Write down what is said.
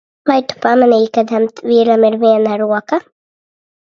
Vai tu pamanīji, ka tam vīram ir viena roka?